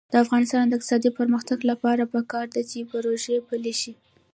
د افغانستان د اقتصادي پرمختګ لپاره پکار ده چې پروژه پلي شي.